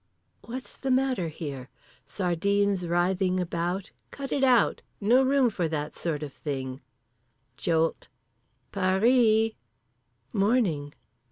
What's the matter here? Sardines writhing about, cut it out, no room for that sort of thing. Jolt. "Paris." Morning.